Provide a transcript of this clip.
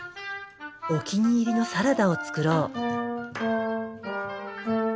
お気に入りのサラダを作ろう。